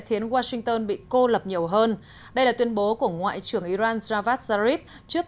khiến washington bị cô lập nhiều hơn đây là tuyên bố của ngoại trưởng iran javad zarif trước